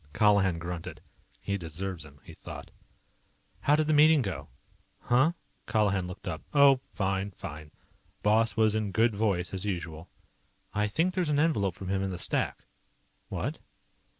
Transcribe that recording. Colihan grunted. He deserves them, he thought. "How did the meeting go?" "Huh?" Colihan looked up. "Oh, fine, fine. Boss was in good voice, as usual." "I think there's an envelope from him in the stack." "What?"